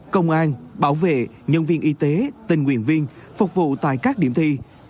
công an bảo vệ nhân viên y tế tình nguyện viên phục vụ tại các điểm thi